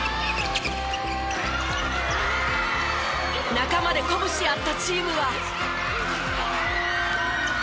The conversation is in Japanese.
仲間で鼓舞し合ったチームは。